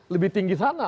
lebih tinggi sana